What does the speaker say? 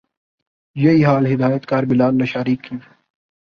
یہی حال ہدایت کار بلال لاشاری کی